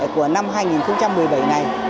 của năm hai nghìn một mươi bảy này